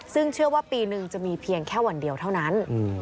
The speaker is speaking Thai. ซึ่งเชื่อว่าปีนึงจะมีเพียงแค่วันเดียวเท่านั้น